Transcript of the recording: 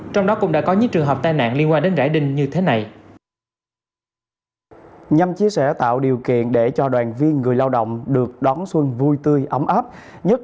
trong đó cũng đã có những trường hợp tai nạn liên quan đến rải đinh như thế này